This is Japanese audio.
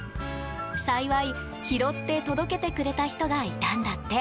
幸い、拾って届けてくれた人がいたんだって。